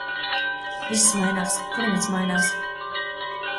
Viss mainās... Klimats mainās.